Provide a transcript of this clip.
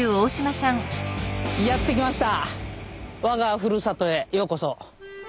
やって来ました。